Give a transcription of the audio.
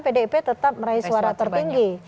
pdip tetap meraih suara tertinggi